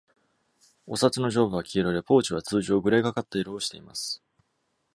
お札の上部は黄色で、ポーチは通常グレーがかった色をしています。